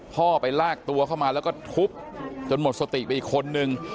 พ่อไปลากตัวเข้ามาแล้วก็ทุบจนหมดสติไปอีกคนนึง